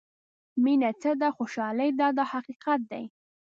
مینه څه ده خوشالۍ ده دا حقیقت دی.